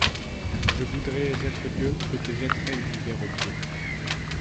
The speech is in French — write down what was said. Je voudrais être Dieu, je te jetterais l'univers aux pieds.